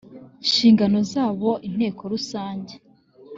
nshingano zabo inteko rusange